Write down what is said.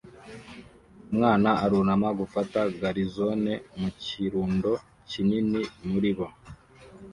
Umwana arunama gufata garizone mu kirundo kinini muri bo